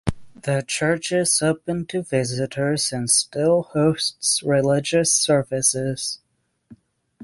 The church is open to visitors and still hosts religious services.